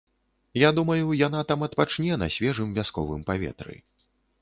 Я думаю, яна там адпачне на свежым вясковым паветры.